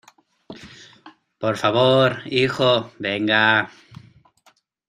por favor, hijo , venga.